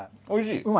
おいしい！